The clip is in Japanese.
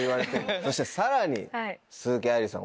そしてさらに鈴木愛理さん